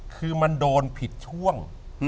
คือมันโดนผิดช่วง